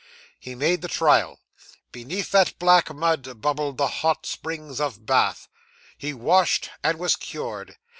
He made the trial. Beneath that black mud, bubbled the hot springs of Bath. He washed, and was cured.